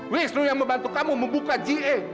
wisnu yang membantu kamu membuka ga